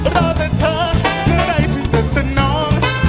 รอแต่เธอเมื่อใดที่จะสนอง